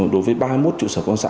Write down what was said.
đối với ba trụ sở công an xã